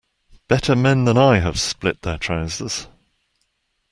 Better men than I have split their trousers.